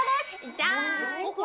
じゃーん！